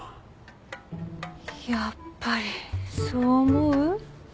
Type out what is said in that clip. やっぱりそう思う？